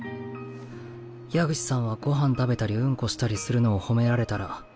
矢口さんはご飯食べたりうんこしたりするのを褒められたらそれに自信持てるの？